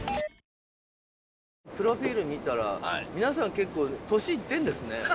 プロフィル見たら皆さん結構年いってんですね。